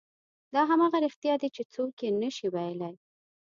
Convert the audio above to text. دا همغه رښتیا دي چې څوک یې نه شي ویلی.